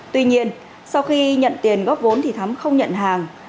tuy nhiên sau khi nhận tiền góp vốn thì thắm không nhận hàng